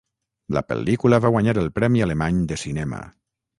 La pel·lícula va guanyar el Premi Alemany de Cinema.